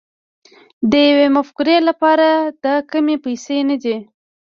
د يوې مفکورې لپاره دا کمې پيسې نه دي.